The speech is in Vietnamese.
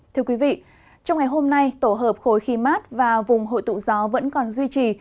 trong ngày hôm nay tổ hợp khối khí mát và vùng hội tụ gió vẫn còn duy trì